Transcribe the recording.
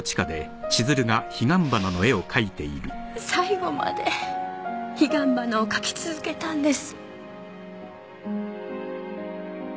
最後まで彼岸花を描き続けたんです。